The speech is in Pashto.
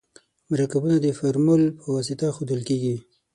مرکبونه د فورمول په واسطه ښودل کیږي.